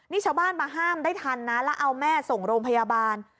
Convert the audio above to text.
นี่ชาวบ้านมาห้ามได้ทันนะแล้วเอาแม่ส่งโรงพยาบาล